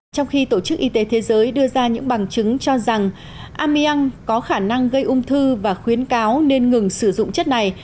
trong khi tổ chức y tế thế giới đưa ra những bằng chứng cho rằng amian có khả năng gây ung thư và khuyến cáo nên ngừng sử dụng chất này